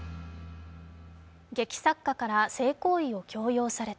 劇作家から性行為を強要された。